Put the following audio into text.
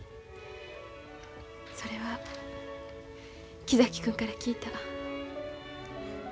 それは木崎君から聞いた。